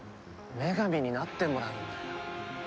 女神になってもらうんだよ。